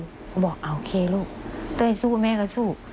ก็บอกโอเคลูกเต้ยสู้แม่ก็สู้